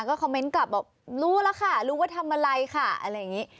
คอมเมนต์กลับบอกรู้แล้วค่ะรู้ว่าทำอะไรค่ะอะไรอย่างนี้